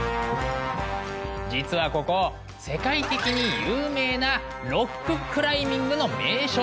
実はここ世界的に有名なロッククライミングの名所でもある。